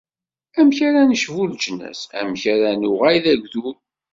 Amek ara necbu leǧnas, amek ara nuɣal d agdud.